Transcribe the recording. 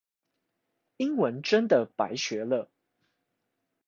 英文真的白學了